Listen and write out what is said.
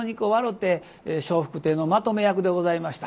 て笑福亭のまとめ役でございました。